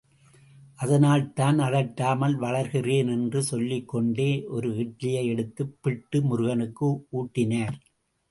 அதனால்தான் அதட்டாமல் வளர்க்கிறேன் என்று சொல்லிக் கொண்டே, ஒரு இட்லியை எடுத்துப் பிட்டு, முருகனுக்கு ஊட்டினார்.